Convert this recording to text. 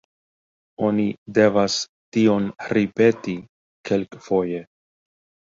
Oni devas tion ripeti kelkfoje.